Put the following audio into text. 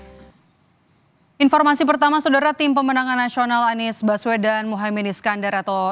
hai informasi pertama saudara tim pemenang nasional anies baswedan muhammad iskandar atau